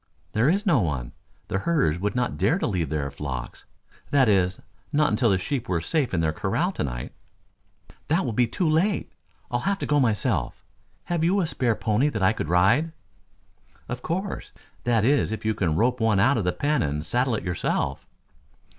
"There is no one. The herders would not dare to leave their flocks that is not until the sheep were safe in their corral to night." "That will be too late. I'll have to go myself. Have you a spare pony that I could ride!" "Of course. That is if you can rope one out of the pen and saddle it yourself."